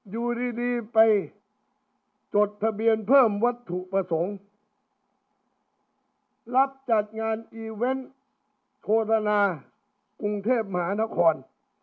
อยู่ดีไปจดทะเบียนเพิ่มวัตถุประสงค์รับจัดงานอีเวนต์โฆษณากรุงเทพมหานคร